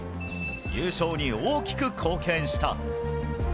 優勝に大きく貢献した。